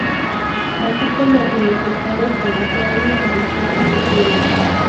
Así como en los estados California, Arizona y Florida.